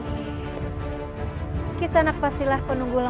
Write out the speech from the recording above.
hai kita nak inf disappearing